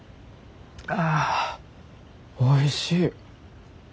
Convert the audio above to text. あおいしい。